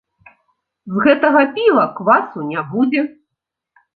З гэтага піва квасу не будзе.